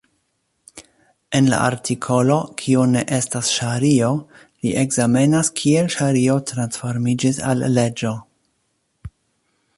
En la artikolo "Kio ne estas ŝario" li ekzamenas kiel ŝario transformiĝis al leĝo.